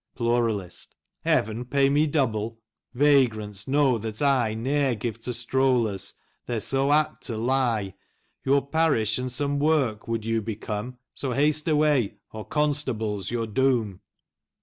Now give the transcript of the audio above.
Pluralist Hev*n pay me double ! Vagrants know that I Ne*er give to Strollers ; they're so apt to lye : Your Parish and some Work would you become. So haste away or Constable's your Doom.